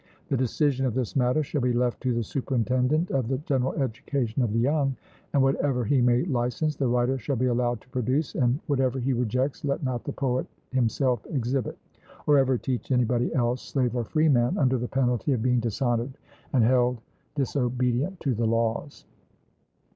The decision of this matter shall be left to the superintendent of the general education of the young, and whatever he may license, the writer shall be allowed to produce, and whatever he rejects let not the poet himself exhibit, or ever teach anybody else, slave or freeman, under the penalty of being dishonoured, and held disobedient to the laws.